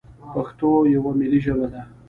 پښتو یوه ملي ژبه ده.